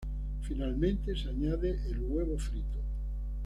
Finalmente se añade el huevo frito.